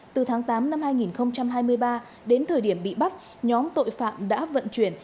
từ tháng tám năm hai nghìn hai mươi ba đến thời điểm bị bắt nhóm tội phạm đã vận chuyển